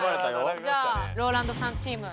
じゃあＲＯＬＡＮＤさんチーム。